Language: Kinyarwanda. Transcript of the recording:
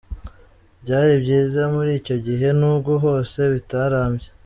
Byari byiza muri icyo gihe, nubwo hose bitarambye.